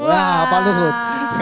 wah pak luhut